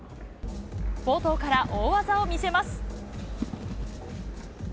冒頭から大技を見せます。